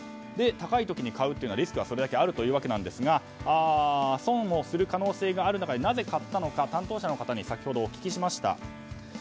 高い時に買うというのはそれだけリスクがあるということですが損をする可能性がある中でなぜ買ったのか担当者の方に先ほどお聞きしました。